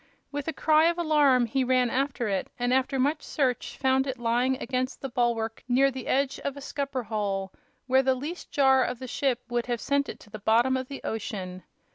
With a cry of alarm he ran after it, and after much search found it lying against the bulwark near the edge of a scupper hole, where the least jar of the ship would have sent it to the bottom of the ocean.